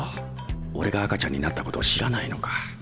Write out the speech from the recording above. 俺が赤ちゃんになったことを知らないのか。